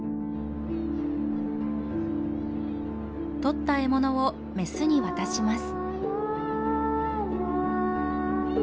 取った獲物をメスに渡します。